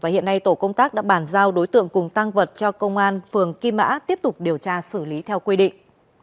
hiện nay tổ công tác đã bàn giao đối tượng cùng tăng vật cho công an phường kim mã tiếp tục điều tra xử lý theo quy định